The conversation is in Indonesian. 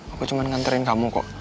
aku cuma nganterin kamu kok